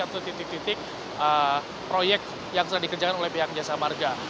atau titik titik proyek yang sudah dikerjakan oleh pihak jasa marga